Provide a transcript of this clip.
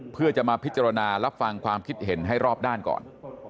เพื่อจะมาพิจารณารับฟังความคิดเห็นให้รอบด้านก่อน